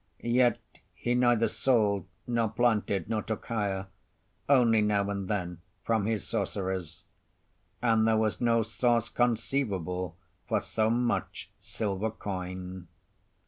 Yet he neither sold, nor planted, nor took hire—only now and then from his sorceries—and there was no source conceivable for so much silver coin.